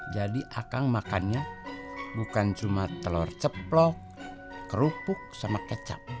jadi akang makannya bukan cuma telur ceplok kerupuk sama kecap